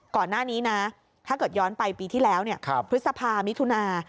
ก่อนหน้านี้นะถ้าเกิดย้อนไปปีที่แล้วพฤษภามิถุนา